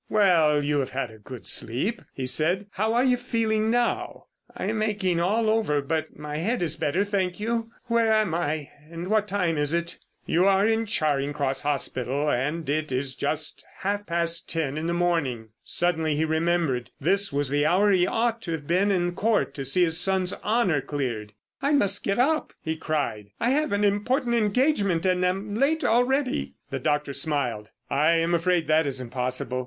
"Well! You have had a good sleep," he said. "How are you feeling now?" "I am aching all over, but my head is better, thank you. Where am I?—and what time is it?" "You are in Charing Cross Hospital, and it is just half past ten in the morning." Suddenly he remembered. This was the hour he ought to have been in Court to see his son's honour cleared. "I must get up," he cried. "I have an important engagement, and am late already." The doctor smiled. "I am afraid that is impossible.